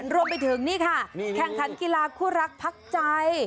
รวมไปถึงนี่ค่ะแข่งขันกีฬาคู่รักพักใจ